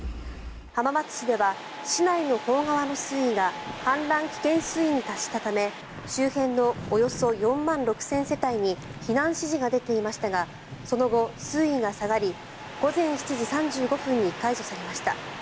浜松市では市内の芳川の水位が氾濫危険水位に達したため周辺のおよそ４万６０００世帯に避難指示が出ていましたがその後、水位が下がり午前７時３５分に解除されました。